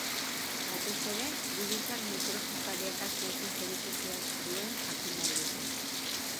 Batez ere, birusak mikrozefalia kasuekin zerikusia duen jakin nahi dute.